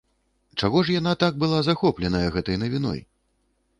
Чаго ж яна так была захопленая гэтай навіной?